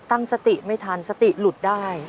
ตั้งสติไม่ทันสติหลุดได้